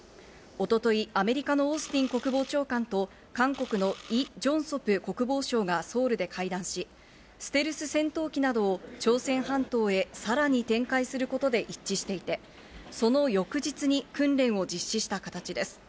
一昨日、アメリカのオースティン国防長官と韓国のイ・ジョンソプ国防相がソウルで会談し、ステルス戦闘機などを朝鮮半島へさらに展開することで一致していて、その翌日に訓練を実施した形です。